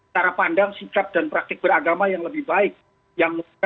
cara pandang sikap dan praktik beragama yang lebih baik